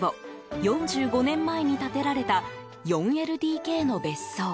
４５年前に建てられた４ＬＤＫの別荘。